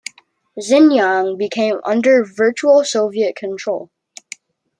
Xinjiang became under virtual Soviet control.